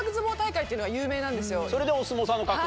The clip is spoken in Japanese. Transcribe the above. それでお相撲さんの格好？